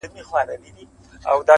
مخته چي دښمن راسي تېره نه وي,